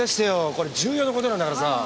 これ重要な事なんだからさ。